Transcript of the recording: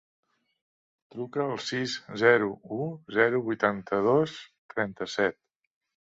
Truca al sis, zero, u, zero, vuitanta-dos, trenta-set.